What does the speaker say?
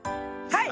はい！